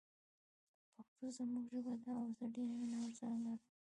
پښتو زموږ ژبه ده او زه ډیره مینه ورسره لرم